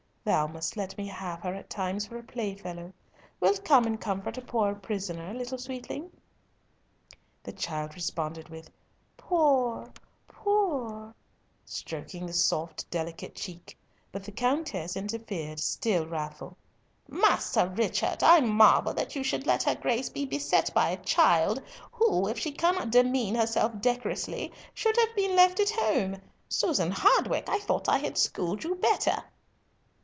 Thou must let me have her at times for a playfellow. Wilt come and comfort a poor prisoner, little sweeting?" The child responded with "Poor poor," stroking the soft delicate cheek, but the Countess interfered, still wrathful. "Master Richard, I marvel that you should let her Grace be beset by a child, who, if she cannot demean herself decorously, should have been left at home. Susan Hardwicke, I thought I had schooled you better."